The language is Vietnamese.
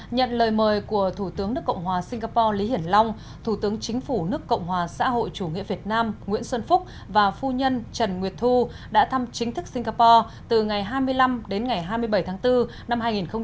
nhận lời mời của thủ tướng nước cộng hòa singapore lý hiển long thủ tướng chính phủ nước cộng hòa xã hội chủ nghĩa việt nam nguyễn xuân phúc và phu nhân trần nguyệt thu đã thăm chính thức singapore từ ngày hai mươi năm đến ngày hai mươi bảy tháng bốn năm hai nghìn một mươi chín